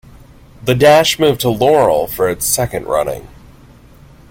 The Dash moved to Laurel for its second running.